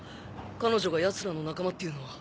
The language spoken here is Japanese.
彼女が奴らの仲間っていうのは。